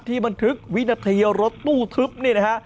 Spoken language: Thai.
ที่มันถึงวินาทีรถตู้ทึ้บนี่นะฮะ